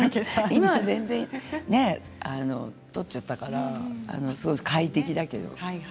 今は取っちゃったからそれこそ快適だけど。